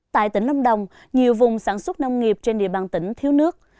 tại tỉnh lâm đồng nhiều vùng sản xuất nông nghiệp trên địa bàn tỉnh thiếu nước